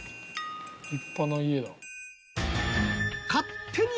立派な家。